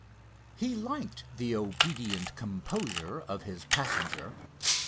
He liked the obedient composure of his passenger.